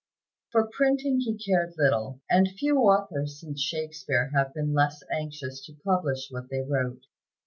For printing he cared little, and few authors since Shakespeare have been less anxious to publish what they wrote.